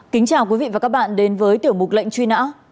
kính chào quý vị và các bạn đến với tiểu mục lệnh truy nã